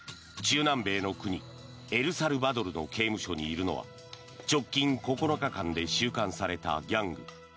中南米の国エルサルバドルの刑務所にいるのは直近９日間で収監されたギャング